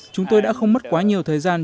chúng tôi đã không mất quá nhiều thời gian